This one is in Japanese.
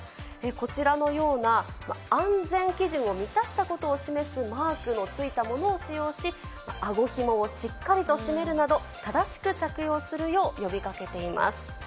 こちらのような安全基準を満たしたことを示すマークのついたものを使用し、あごひもをしっかりと締めるなど、正しく着用するよう呼びかけています。